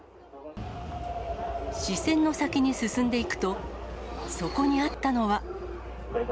視線の先に進んでいくと、そこにあったのは。